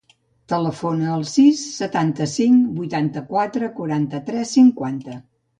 Telefona al sis, setanta-cinc, vuitanta-quatre, quaranta-tres, cinquanta.